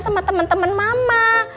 sama temen temen mama